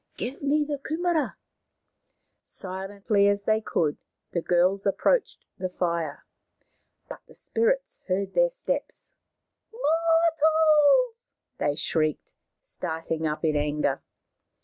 " Give me the kumaras. ,, Silently as they could the girls approached the fire. But the spirits heard their steps. " Mor tals !" they shrieked, starting up in anger.